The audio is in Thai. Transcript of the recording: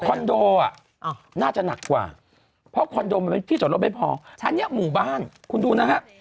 คอนโดอ่ะน่าจะหนักกว่าเพราะคอนโดที่จอดรถไม่พออันนี้หมู่บ้านคุณดูนะครับ